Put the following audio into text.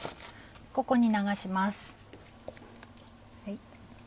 ここに流します。